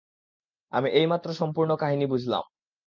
আমি এইমাত্র সম্পূর্ণ কাহিনী বুঝলাম।